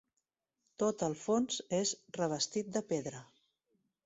Tot el fons és revestit de pedra.